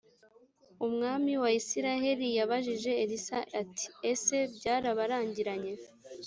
umwami wa isirayeli yabajije elisa ati ese byabarangiranye